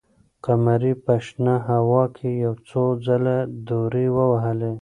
قمري په شنه هوا کې یو څو ځله دورې ووهلې.